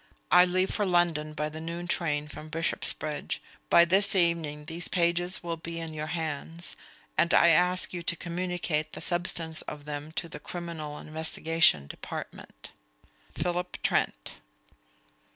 I leave for London by the noon train from Bishopsbridge. By this evening these pages will be in your hands, and I ask you to communicate the substance of them to the Criminal Investigation Department. PHILIP TRENT.